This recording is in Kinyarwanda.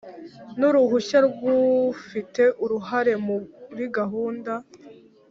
nuruhushya rw ufite uruhare muri gahunda